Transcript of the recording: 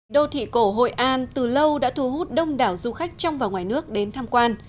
đô thị cổ hội an từ lâu đã thu hút đông đảo du khách trong và ngoài nước đến tham quan